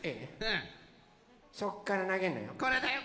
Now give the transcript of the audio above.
そこからなげるのよ。